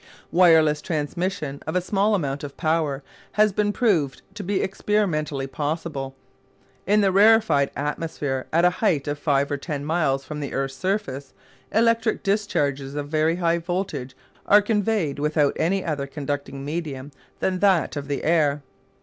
Wireless transmission of a small amount of power has been proved to be experimentally possible. In the rarefied atmosphere at a height of five or ten miles from the earth's surface, electric discharges of very high voltage are conveyed without any other conducting medium than that of the air.